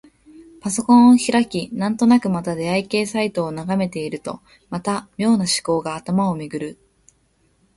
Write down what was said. パソコンを開き、なんとなくまた出会い系サイトを眺めているとまた、妙な思考が頭をめぐる。